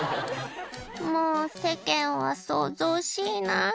「もう世間は騒々しいな」